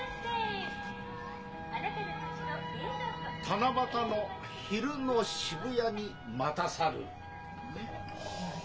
「七夕の昼の渋谷に待たさるる」。